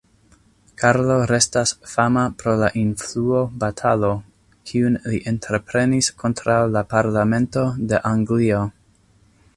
Karlo restas fama pro la influo-batalo, kiun li entreprenis kontraŭ la Parlamento de Anglio.